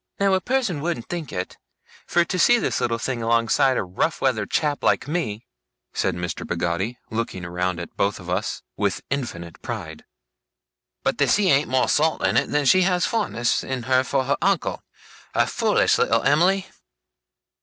Now a person wouldn't think it, fur to see this little thing alongside a rough weather chap like me,' said Mr. Peggotty, looking round at both of us, with infinite pride; 'but the sea ain't more salt in it than she has fondness in her for her uncle a foolish little Em'ly!